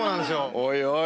おいおい。